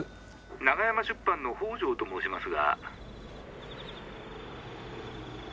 ☎長山出版の北條と申しますが。